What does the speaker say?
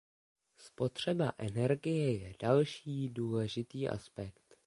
Spotřeba energie je další důležitý aspekt.